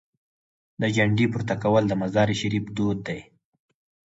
د جنډې پورته کول د مزار شریف دود دی.